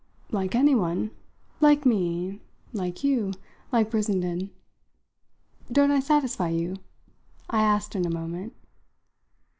"Like anyone. Like me; like you; like Brissenden. Don't I satisfy you?" I asked in a moment.